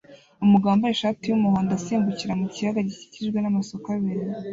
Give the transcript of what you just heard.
Umugabo wambaye ishati y'umuhondo asimbukira mu kiyaga gikikijwe n'amasoko abiri